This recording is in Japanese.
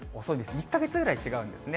１か月ぐらい違うんですね。